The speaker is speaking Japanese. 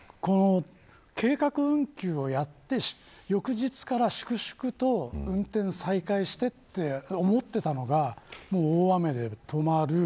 計画運休をやって翌日から粛々と運転再開してと思っていたのが大雨で止まる。